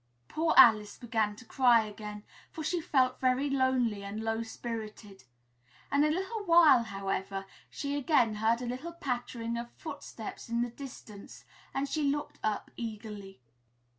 Poor Alice began to cry again, for she felt very lonely and low spirited. In a little while, however, she again heard a little pattering of footsteps in the distance and she looked up eagerly.